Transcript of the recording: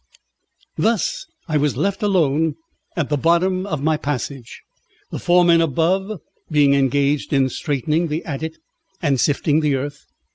Thus I was left alone at the bottom of my passage, the four men above being engaged in straightening the adit and sifting the earth.